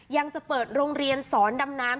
ยังจะเปิดโรงเรียนสอนดำน้ำ